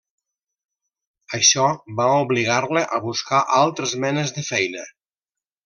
Això va obligar-la a buscar altres menes de feina.